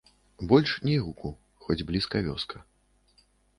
Больш ні гуку, хоць блізка вёска.